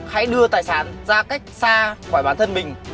hãy đưa tài sản ra cách xa khỏi bản thân mình